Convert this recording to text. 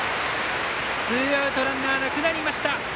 ツーアウトランナーなくなりました。